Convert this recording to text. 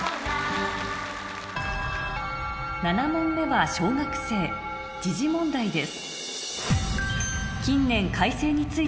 ７問目は小学生時事問題です